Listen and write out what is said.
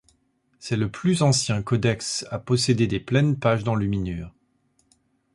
C’est le plus ancien codex à posséder des pleines pages d’enluminures.